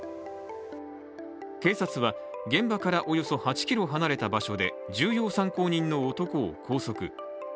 警察は、現場からおよそ８ｋｍ離れた場所で重要参考人の男を拘束。